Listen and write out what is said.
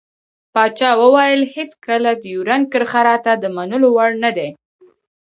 پاچا وويل هېڅکله ډيورند کرښه راته د منلو وړ نه دى.